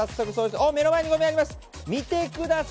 おっ、目の前にごみあります。